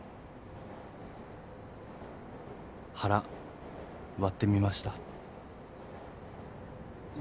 腹割ってみました。